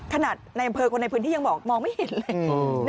ขนาดในบริเวณคนในพื้นที่ยังบอกมองไม่เห็นเลย